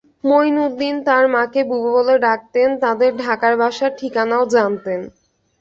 মুঈনুদ্দীন তাঁর মাকে বুবু বলে ডাকতেন, তাঁদের ঢাকার বাসার ঠিকানাও জানতেন।